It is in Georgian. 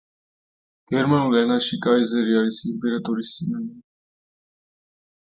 გერმანულ ენაში კაიზერი არის იმპერატორის სინონიმი.